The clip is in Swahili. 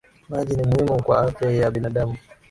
Maji ni muhimu kwa afya ya binadamu